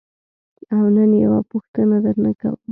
او نن یوه پوښتنه درنه کوم.